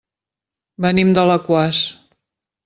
Venim d'Alaquàs.